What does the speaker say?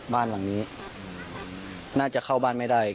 บ้านหลังนี้น่าจะเข้าบ้านไม่ได้